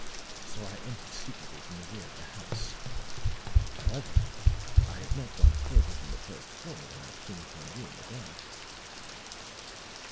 So I entered secretly from the rear of the house. However, I had not gone further than the first floor when I came upon you in the dark."